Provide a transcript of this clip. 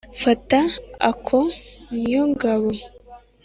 Fata ako ni yo gabo.